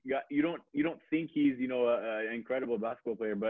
kamu ga kira dia adalah pemain basket yang luar biasa